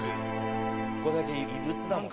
これだけ異物だもん。